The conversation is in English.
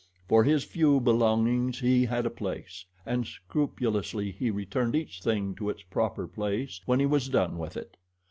For his few belongings he had a place and scrupulously he returned each thing to its proper place when he was done with it.